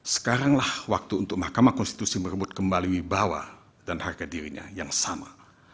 sekaranglah waktu untuk mahkamah konstitusi merebut kembali wibawa dan harga dirinya yang sama